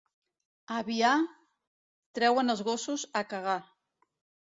A Biar treuen els gossos a cagar.